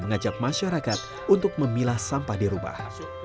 mengajak masyarakat untuk memilah sampah di rumah